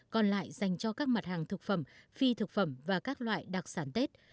còn lại dành cho các mặt hàng thực phẩm phi thực phẩm và các loại đặc sản tết